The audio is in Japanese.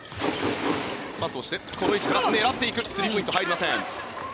パスをしてこの位置から狙っていくスリーポイント入りません。